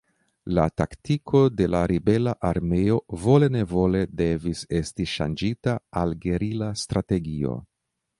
La taktiko de la ribela armeo vole-nevole devis esti ŝanĝita al gerila strategio.